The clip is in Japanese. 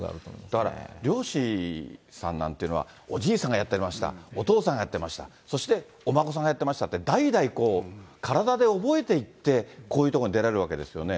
だから、漁師さんなんていうのは、おじいさんがやってました、お父さんがやってました、そしてお孫さんがやってましたって、代々体で覚えていって、こういうとこに出られるわけですよね。